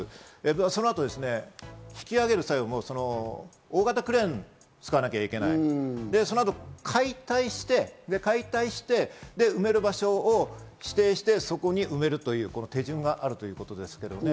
そのあと引き揚げる際は、大型クレーンを使わなきゃいけない、そのあと解体して、埋める場所を指定して、そこに埋めるという手順があるということですけれどもね。